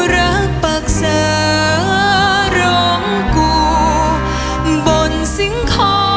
รักปรึกษาร้องกูบนสิงคอ